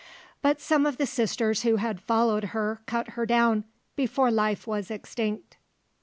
But some of the sisters who had followed her cut her down before life was extinct.